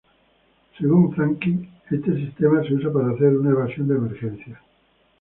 Según Franky, este sistema se usa para hacer una evasión de emergencia.